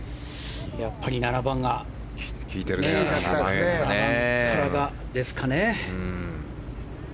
やっぱり７番からですかね。